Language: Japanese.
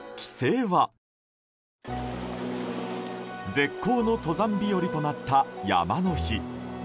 絶好の登山日和となった山の日。